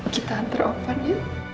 kita antar om roy